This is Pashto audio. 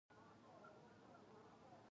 ادبیات تاریخ پرارزښت لرونکو شیانو بحث کوي.